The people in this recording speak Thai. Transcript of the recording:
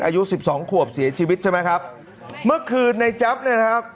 อายุสิบสองขวบเสียชีวิตใช่ไหมครับเมื่อคืนในแจ๊บเนี่ยนะครับ